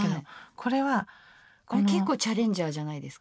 これ結構チャレンジャーじゃないですか？